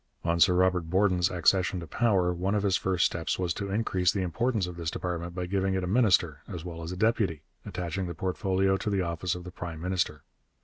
On Sir Robert Borden's accession to power one of his first steps was to increase the importance of this department by giving it a minister as well as a deputy, attaching the portfolio to the office of the prime minister.